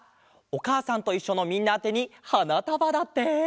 「おかあさんといっしょ」のみんなあてにはなたばだって！